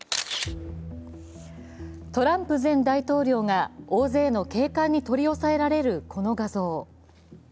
トランプ前大統領が大勢の警官に取り押さえられるこの画像。